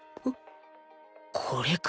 これか